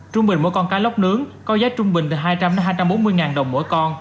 trung bình mỗi con cá lóc nướng có giá trung bình từ hai trăm linh hai trăm bốn mươi ngàn đồng mỗi con